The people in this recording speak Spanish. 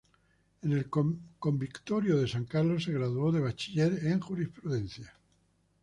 En el Convictorio de San Carlos se graduó de bachiller en Jurisprudencia.